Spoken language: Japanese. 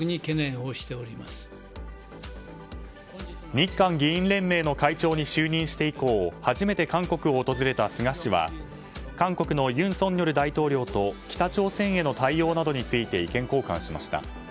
日韓議員連盟の会長に就任して以降初めて韓国を訪れた菅氏は韓国の尹錫悦大統領と北朝鮮への対応などについて意見交換しました。